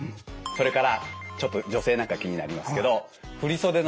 それからちょっと女性なんかは気になりますけど聞きたい。